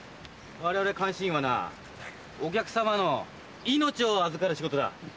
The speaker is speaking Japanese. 我々監視員はなお客様の命を預かる仕事だ。